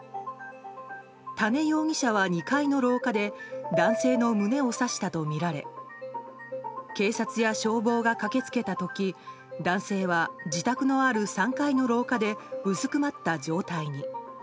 多禰容疑者は２階の廊下で男性の胸を刺したとみられ警察や消防が駆けつけた時男性は、自宅のある３階の廊下でうずくまった状態に。